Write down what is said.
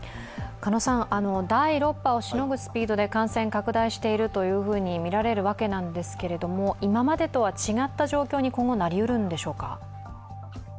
第６波をしのぐスピードで感染が拡大しているという印象なんですが今までとは違った状況に今後なりうるのでしょうか？